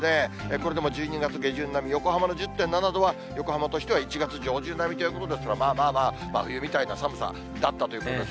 これでも１２月下旬並み、横浜の１０．７度は横浜としては１月上旬並みということですから、まあまあまあ、真冬みたいな寒さだったということです。